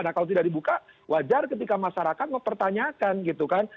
nah kalau tidak dibuka wajar ketika masyarakat mempertanyakan gitu kan